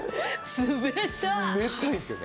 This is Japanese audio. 冷たいんですよね！